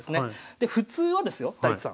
で普通はですよ太地さん